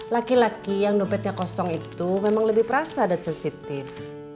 laki laki yang dompetnya kosong itu memang lebih perasa dan sensitif